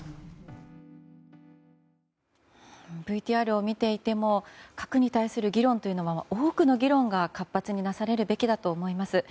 ＶＴＲを見ていても核に対する議論というのは多くの議論が活発になされるべきだと思います。